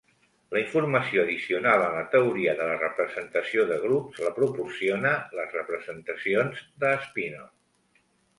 La informació addicional en la teoria de la representació de grups la proporciona les representacions de Spinor.